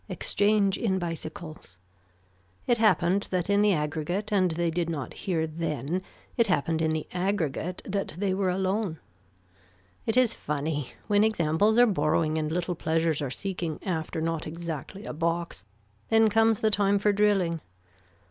Exchange in bicycles. It happened that in the aggregate and they did not hear then, it happened in the aggregate that they were alone. It is funny. When examples are borrowing and little pleasures are seeking after not exactly a box then comes the time for drilling.